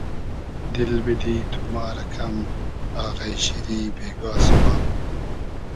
دیل بیدی تو ما رۂ کئم آغݷ شیری بېگا سوبا